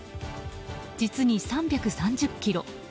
実に３３０ｋｍ。